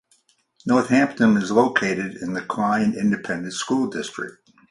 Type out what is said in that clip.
Northampton is located in the Klein Independent School District.